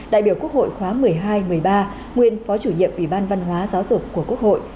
đại biểu quốc hội khóa một mươi hai một mươi ba nguyên phó chủ nhiệm ủy ban văn hóa giáo dục của quốc hội